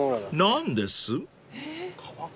［何です？］